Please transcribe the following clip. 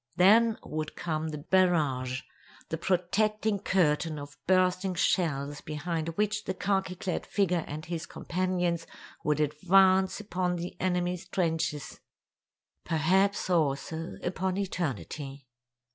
Then would come the barrage—the protecting curtain of bursting shells behind which the khaki clad figure and his companions would advance upon the enemy's trenches—perhaps also upon eternity.